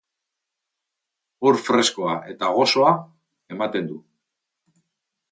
Ur freskoa eta goxoa ematen du.